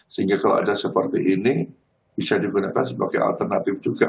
sehingga kalau ada seperti ini bisa digunakan sebagai alternatif juga